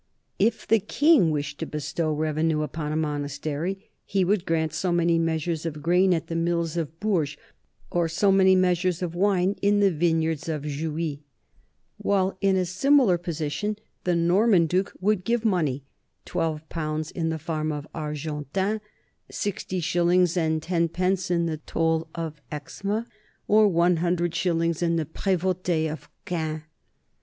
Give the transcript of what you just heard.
If the king wished to bestow revenue upon a monastery he would grant so many measures of grain at the mills of Bourges or so many measures of wine in the vineyards of Joui; while in a similar position the Norman duke would give money twelve pounds in the farm of Argentan, sixty shillings and tenpence in the toll of Exmes, or one hun dred shillings in the prevote of Caen.